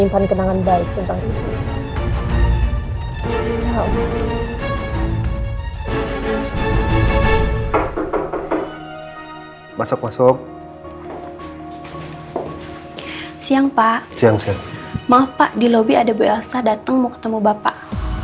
maaf pak di lobi ada belasa datang mau ketemu bapak